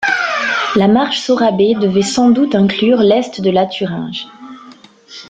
La Marche Sorabe devait sans doute inclure l’est de la Thuringe.